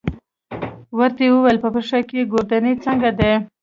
ما ورته وویل: په پښه کې، ګوردیني څنګه دی؟